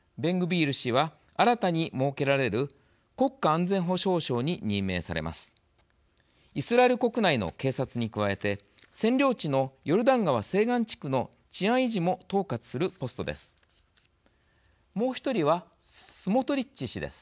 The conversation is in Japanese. イスラエル国内の警察に加えて占領地のヨルダン川西岸地区の治安維持も統括するポストです。